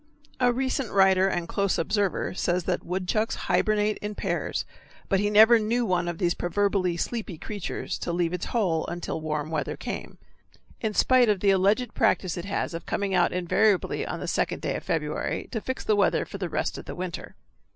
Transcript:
A recent writer and close observer says that woodchucks hibernate in pairs, but he never knew one of these proverbially sleepy creatures to leave its hole until warm weather came in spite of the alleged practice it has of coming out invariably on the second day of February to fix the weather for the rest of the winter.